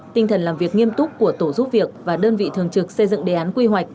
tinh thần làm việc nghiêm túc của tổ giúp việc và đơn vị thường trực xây dựng đề án quy hoạch